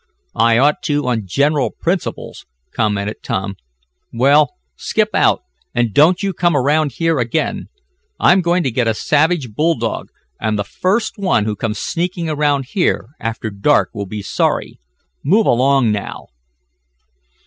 "I ought to, on general principles," commented Tom. "Well, skip out, and don't you come around here again. I'm going to get a savage bull dog, and the first one who comes sneaking around here after dark will be sorry. Move along now!"